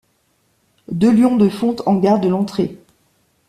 Deux lions de fonte en gardent l’entrée.